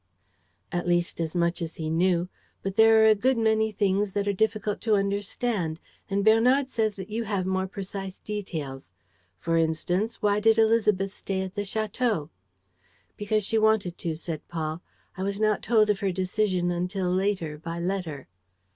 "At least, as much as he knew; but there are a good many things that are difficult to understand; and Bernard says that you have more precise details. For instance, why did Élisabeth stay at the château?" "Because she wanted to," said Paul. "I was not told of her decision until later, by letter."